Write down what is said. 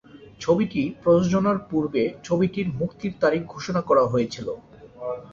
ছবিটি প্রযোজনার পূর্বে ছবিটির মুক্তির তারিখ ঘোষণা করা হয়েছিল।